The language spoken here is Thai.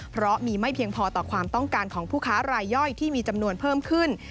เพราะมีไม่เพียงพอต่อความต้องการของผู้ค้ารายย่อยที่มีจำนวนเพิ่มขึ้น